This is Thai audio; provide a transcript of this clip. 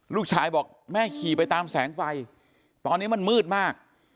ลูกชายบอกแม่ขี่ไปตามแสงไฟตอนนี้มันมืดมาก